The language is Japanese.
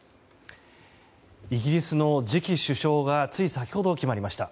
イギリスの次期首相がつい先ほど、決まりました。